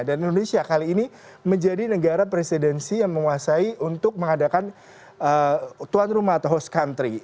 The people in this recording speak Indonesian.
dan indonesia kali ini menjadi negara presidensi yang menguasai untuk mengadakan tuan rumah atau host country